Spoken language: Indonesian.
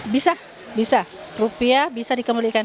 bisa bisa rupiah bisa dikembalikan